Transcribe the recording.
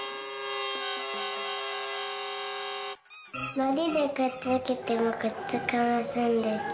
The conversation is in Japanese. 「のりでくっつけてもくっつきませんでした」。